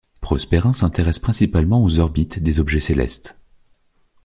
Prosperin s'intéresse principalement aux orbites des objets célestes.